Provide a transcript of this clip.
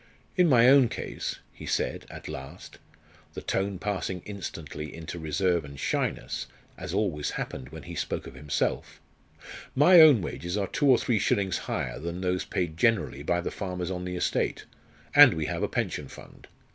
"In my own case" he said at last, the tone passing instantly into reserve and shyness, as always happened when he spoke of himself "my own wages are two or three shillings higher than those paid generally by the farmers on the estate; and we have a pension fund.